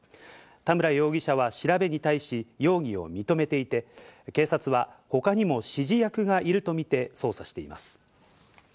田村容疑者は調べに対し容疑を認めていて、警察は他にも指示役がいるとみて捜査しています。